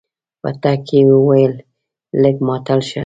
په تګ کې يې وويل لږ ماتل شه.